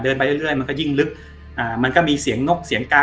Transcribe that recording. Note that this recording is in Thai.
ไปเรื่อยมันก็ยิ่งลึกอ่ามันก็มีเสียงนกเสียงกา